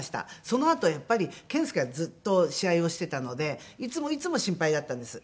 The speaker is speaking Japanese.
そのあとやっぱり健介はずっと試合をしてたのでいつもいつも心配だったんです。